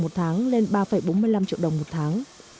một tháng lên ba bốn mươi năm triệu đồng một tháng